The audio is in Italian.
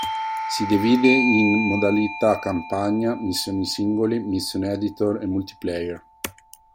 Si divide in: modalità campagna, missioni singole, mission editor e multiplayer.